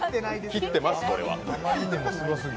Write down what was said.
切ってます、これは。